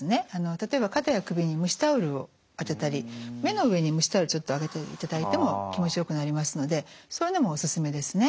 例えば肩や首に蒸しタオルを当てたり目の上に蒸しタオルちょっと当てていただいても気持ちよくなりますのでそういうのもおすすめですね。